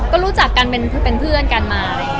ก็รู้จักกันเป็นเพื่อนกันมา